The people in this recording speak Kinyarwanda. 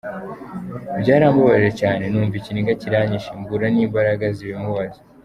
Byarambabaje cyane, numva ikiniga kiranyinshe mbura n’imbaraga zibimubaza.